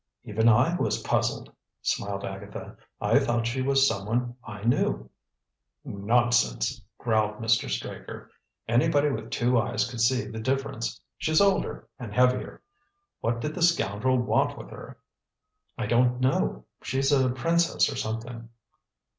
"Even I was puzzled," smiled Agatha. "I thought she was some one I knew." "Nonsense!" growled Mr. Straker. "Anybody with two eyes could see the difference. She's older, and heavier. What did the scoundrel want with her?" "I don't know. She's a princess or something."